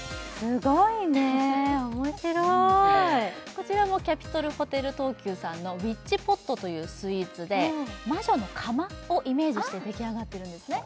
すごいね面白いこちらもキャピトルホテル東急さんのウィッチポットというスイーツで魔女の釜をイメージして出来上がってるんですね